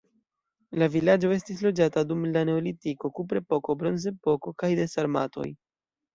La vilaĝo estis loĝata dum la neolitiko, kuprepoko, bronzepoko kaj de sarmatoj.